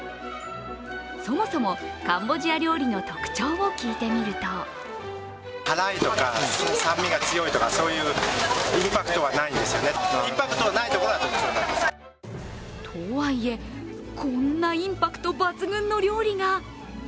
そもそもカンボジア料理の特徴を聞いてみるととはいえ、こんなインパクト抜群の料理が。